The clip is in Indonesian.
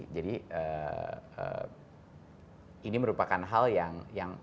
jadi ini merupakan hal yang